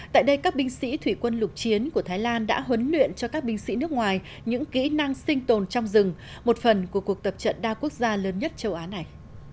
tại đây các binh sĩ thủy quân lục chiến của thái lan đã huấn luyện cho các binh sĩ nước ngoài những kỹ năng sinh tồn trong rừng một phần của cuộc tập trận đa quốc gia lớn nhất châu á này